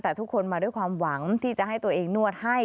แต่ทุกคนมาด้วยความหวังที่จะให้ตัวเองนวดให้